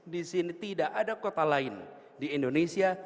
di sini tidak ada kota lain di indonesia